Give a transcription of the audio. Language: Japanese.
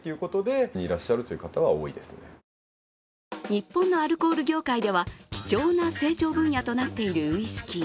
日本のアルコール業界では貴重な成長分野となっているウイスキー。